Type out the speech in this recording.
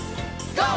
ＧＯ！